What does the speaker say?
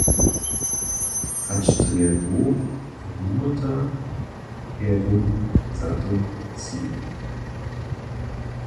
Hač drje Bóh hrimota, Perun, za tym tči?